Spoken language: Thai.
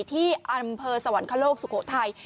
ที่อำเภอสวรรคโลกสุโขทัย